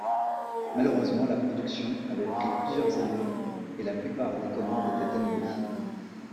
Malheureusement, la production avait pris plusieurs années et la plupart des commandes étaient annulées.